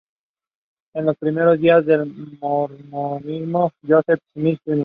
En los primeros días del mormonismo, Joseph Smith Jr.